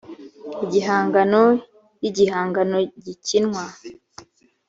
igihangano y igihangano gikinwa